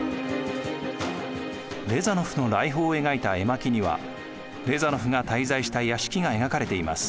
レザノフの来訪を描いた絵巻にはレザノフが滞在した屋敷が描かれています。